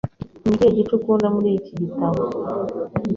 Ni ikihe gice ukunda muri iki gitabo?